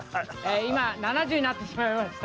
今、７０になってしまいました。